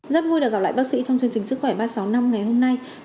rất vui được gặp lại bác sĩ trong chương trình sức khỏe ba trăm sáu mươi năm ngày hôm nay